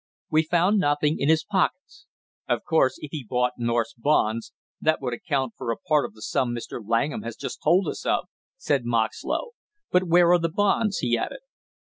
"We found nothing in his pockets." "Of course, if he bought North's bonds, that would account for a part of the sum Mr. Langham has just told us of," said Moxlow. "But where are the bonds?" he added.